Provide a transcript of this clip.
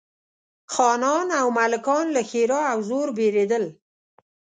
خانان او ملکان له ښرا او زور بېرېدل.